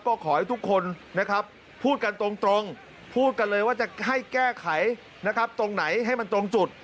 ก็ขอให้ทุกคนนะครับพูดกันตรงพูดกันเลยว่าจะให้แก้ไขนะครับตรงไหนให้มันตรงจุด